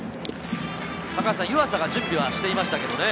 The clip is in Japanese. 湯浅が準備をしていましたけどね。